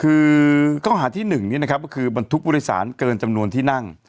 คือข้อหาที่๑นี่นะครับก็คือบรรทุกผู้โดยสารเกินจำนวนที่นั่ง